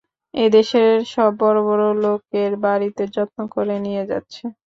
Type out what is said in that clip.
এদেশের সব বড় বড় লোকের বাড়ীতে যত্ন করে নিয়ে যাচ্ছে।